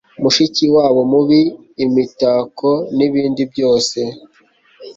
mushikiwabo mubi, imitako nibindi byose